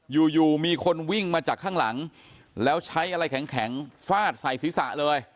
อยู่อยู่มีคนวิ่งมาจากข้างหลังแล้วใช้อะไรแข็งฟาดใส่ศีรษะเลย